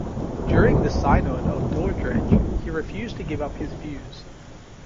During the synod of Dordrecht he refused to give up his views.